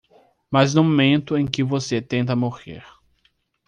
Mas no momento em que você tenta morrer